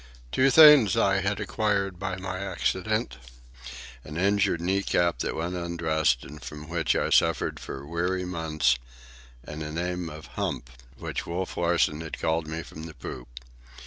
Two things I had acquired by my accident: an injured knee cap that went undressed and from which I suffered for weary months, and the name of "Hump," which Wolf Larsen had called me from the poop.